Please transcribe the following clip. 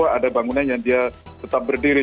ada bangunan yang dia tetap berdiri